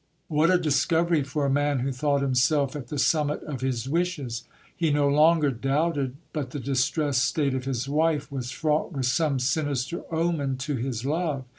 vVhat a discovery for a man who thought himself at the summit of his wishes ! He no longer doubted but the distressed state of his wife was fraught with some sinister omen to his love.